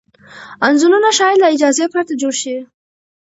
انځورونه ښايي له اجازې پرته جوړ شي.